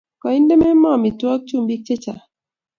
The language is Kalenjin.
Koinde Memo amitwogik chumbik chechang'.